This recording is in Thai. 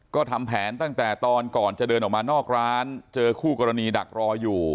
ก็ทำแผนตั้งแต่ตอนก่อนจะเดินออกมานอกร้านเจอคู่กรณีดักรออยู่